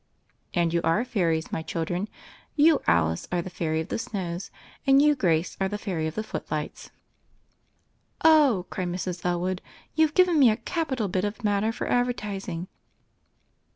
"And you are Fairies, my children. You, Alice, are the Fairy of the Snows, and you, Grace, are the Fairy of the Footlights." "Oh!" cried Mrs. Elwood, "you've given me a capital bit of matter for advertising.